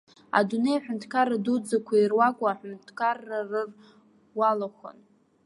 Адунеи аҳәынҭқарра дуӡӡақәа ируаку аҳәынҭқарра рыр уалахәын.